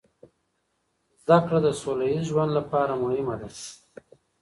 زده کړه د سوله ییز ژوند لپاره مهمه ده.